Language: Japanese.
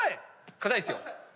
硬いですよ。